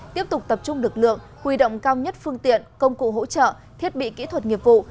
tiếp tục tập trung lực lượng huy động cao nhất phương tiện công cụ hỗ trợ thiết bị kỹ thuật nghiệp vụ